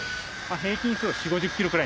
平均４０５０キロくらい。